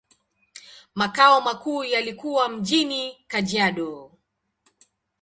Makao makuu yalikuwa mjini Kajiado.